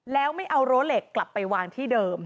แล้วไม่เอารั้วเหล็กกลับไปวางที่เดิม